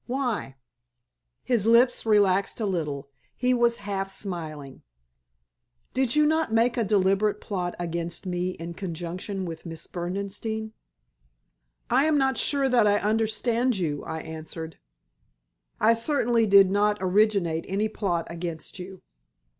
"Why?" His lips relaxed a little. He was half smiling. "Did you not make a deliberate plot against me in conjunction with Miss Berdenstein?" "I am not sure that I understand you," I answered. "I certainly did not originate any plot against you."